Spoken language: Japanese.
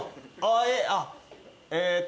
えっと。